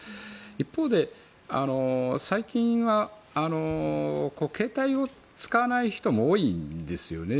一方で、最近は携帯を使わない人も多いんですよね。